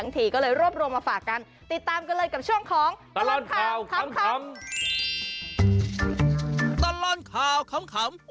ตอนร้านคาวคำขำ